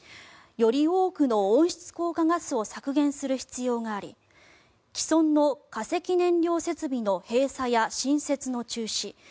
より多くの温室効果ガスを削減する必要があり既存の化石燃料設備の閉鎖や新設の中止